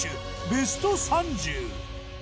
ベスト３０。